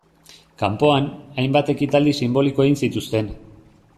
Kanpoan, hainbat ekitaldi sinboliko egin zituzten.